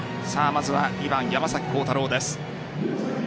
まずは２番・山崎晃大朗です。